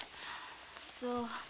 そう。